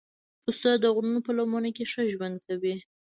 پسه د غرونو په لمنو کې ښه ژوند کوي.